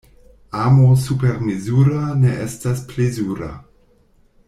Amo supermezura ne estas plezura.